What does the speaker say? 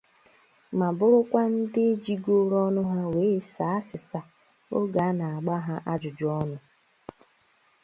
ma bụrụkwa ndị jigoro ọnụ ha wee sàá asịsa oge a na-agba ha ajụjụọnụ